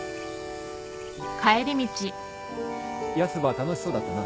ヤスば楽しそうだったな。